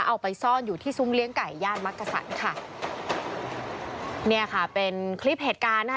เอาไปซ่อนอยู่ที่ซุ้มเลี้ยงไก่ย่านมักกะสันค่ะเนี่ยค่ะเป็นคลิปเหตุการณ์นะคะ